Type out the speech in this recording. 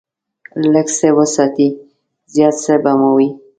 لږ څه وساتئ، زیات څه به مو وي.